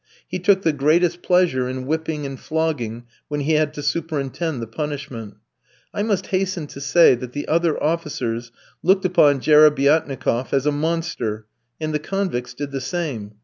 He took the greatest pleasure in whipping and flogging, when he had to superintend the punishment. I must hasten to say that the other officers looked upon Jerebiatnikof as a monster, and the convicts did the same.